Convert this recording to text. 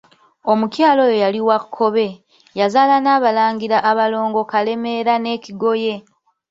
Omukyala oyo yali wa Kkobe, yazaala n'abalangira abalongo Kalemeera ne Kigoye.